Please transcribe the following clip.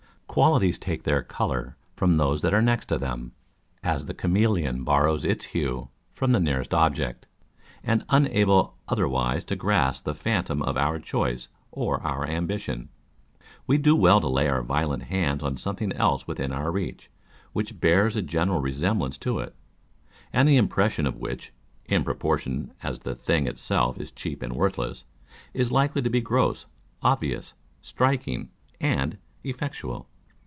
Qualities take their colour from those that are next them, as the camelcon borrows its hue from the nearest object ; and unable otherwise to grasp the phantom of our choice or our ambition, we do well to lay violent hands on something else within our reach, which bears a general resemblance to it ; and the impression of which, in proportion as the thing itself is cheap and worthless, is likely to be gross, obvious, striking, and effectual.